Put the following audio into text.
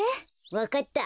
わかった。